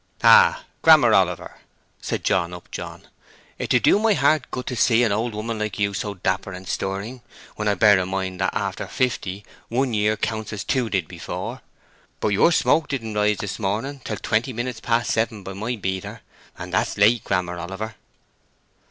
"Ah, Grammer Oliver," said John Upjohn, "it do do my heart good to see a old woman like you so dapper and stirring, when I bear in mind that after fifty one year counts as two did afore! But your smoke didn't rise this morning till twenty minutes past seven by my beater; and that's late, Grammer Oliver."